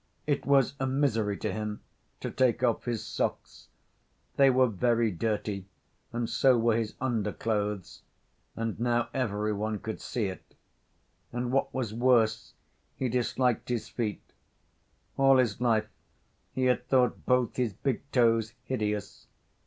It was a misery to him to take off his socks. They were very dirty, and so were his underclothes, and now every one could see it. And what was worse, he disliked his feet. All his life he had thought both his big toes hideous.